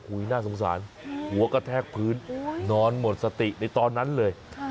น่าสงสารหัวกระแทกพื้นนอนหมดสติในตอนนั้นเลย